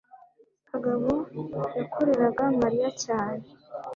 kagabo yakoreraga mariya cyane